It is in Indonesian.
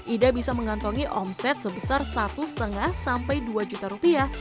ida bisa mengantongi omset sebesar satu lima sampai dua juta rupiah